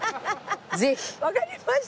ぜひ！わかりました！